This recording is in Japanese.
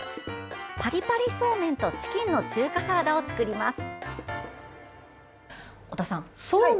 パリパリそうめんとチキンの中華サラダを作ります。